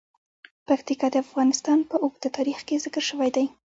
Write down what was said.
پکتیکا د افغانستان په اوږده تاریخ کې ذکر شوی دی.